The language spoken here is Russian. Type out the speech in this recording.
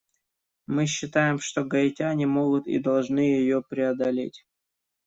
Мы считаем, что гаитяне могут и должны ее преодолеть.